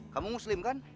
kamu muslim kan